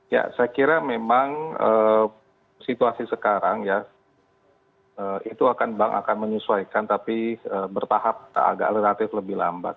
ya saya kira memang situasi sekarang ya itu akan bank akan menyesuaikan tapi bertahap agak relatif lebih lambat